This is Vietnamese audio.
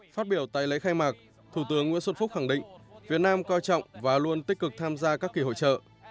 phát biểu tại lễ khai mạc thủ tướng nguyễn xuân phúc khẳng định việt nam coi trọng và luôn tích cực tham gia các kỳ hội trợ